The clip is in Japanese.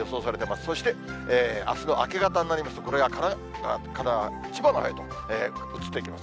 そして、あすの明け方になりますと、これが神奈川から千葉のほうへと移っていきますね。